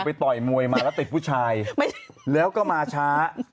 ต่อยมวยมาแล้วติดผู้ชายแล้วก็มาช้า